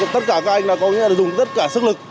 tất cả các anh có nghĩa là dùng tất cả sức lực